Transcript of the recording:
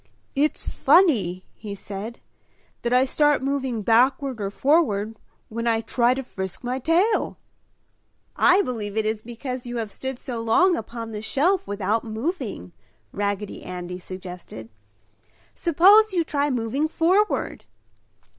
"It's funny" he said, "that I start moving backward or forward when I try to frisk my tail!" "I believe it is because you have stood so long upon the shelf without moving," Raggedy Andy suggested. "Suppose you try moving forward!"